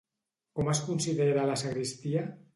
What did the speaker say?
Com es considera la sagristia?